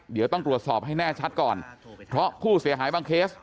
เดี๋ยวต้องตรวจสอบให้แน่ชัดก่อนเพราะผู้เสียหายบางเคส